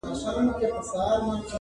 چي د بخت ستوری مو کله و ځلېږې,